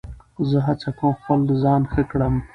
زه هڅه کوم خپل ځان ښه کړم.